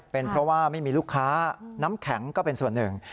เป็นเพราะว่าไม่มีลูกค้าน้ำแข็งก็เป็นส่วนหนึ่ง